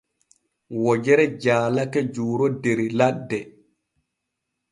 Wojere jaalake Juuro der ladde.